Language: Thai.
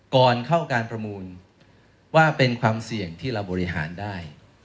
ก่อนเข้าการประมูลว่าเป็นความเสี่ยงที่เราบริหารได้